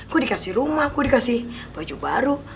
gue dikasih rumah gue dikasih baju baru